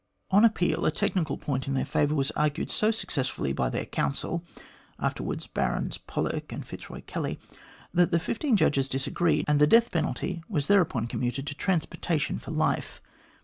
On appeal, a technical point in their favour was argued so successfully by their counsel (afterwards Barons Pollock and Fitzroy Kelly), that the fifteen judges disagreed, and the death penalty was thereupon commuted to transportation for life.